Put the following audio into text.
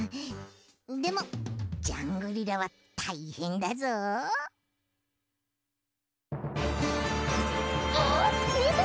でもジャングリラはたいへんだぞ。あっみて！